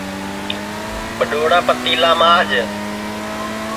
ٻڈؔوڑا پتیلا ماج